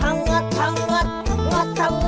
เฮ้ย